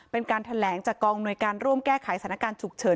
เป็นการแถลงจากกองอำนวยการร่วมแก้ไขสถานการณ์ฉุกเฉิน